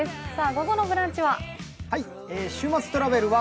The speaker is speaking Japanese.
午後の「ブランチ」は？